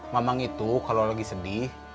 mamang itu kalau lagi sedih